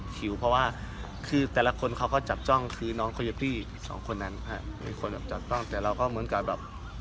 คิวเพราะว่าคือแต่ละคนเขาก็จับจ้องคือน้องโคโยตี้สองคนนั้นเป็นคนแบบจับจ้องแต่เราก็เหมือนกับแบบ